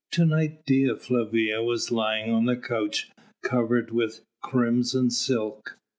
To night Dea Flavia was lying on a couch covered with crimson silk.